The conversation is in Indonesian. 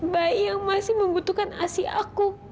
bayi yang masih membutuhkan asi aku